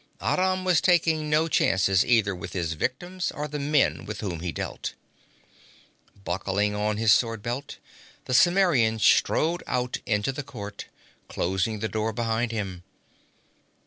Aram was taking no chances either with his victims or the men with whom he dealt. Buckling on his sword belt, the Cimmerian strode out into the court, closing the door behind him.